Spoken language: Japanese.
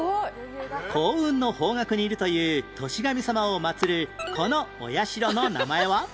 幸運の方角にいるという歳神様を祀るこのお社の名前は？